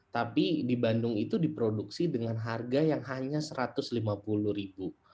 tapi di bandung itu diproduksi dengan harga yang hanya satu ratus lima puluh ribu